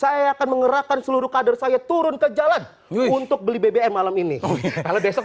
saya akan mengerahkan seluruh kader saya turun ke jalan untuk beli bbm malam ini kalau besok